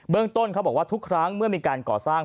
ต้นเขาบอกว่าทุกครั้งเมื่อมีการก่อสร้าง